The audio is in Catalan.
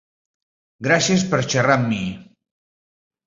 Gràcies per xerrar amb mi.